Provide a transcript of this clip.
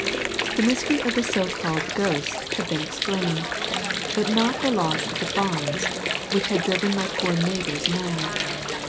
The mystery of the so called ghosts had been explained, but not the loss of the bonds, which had driven my poor neighbors mad.